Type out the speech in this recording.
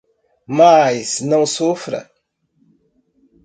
Mas não sofra.